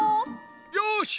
よし！